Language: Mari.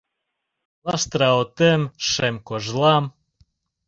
Лаштра отем, шем кожлам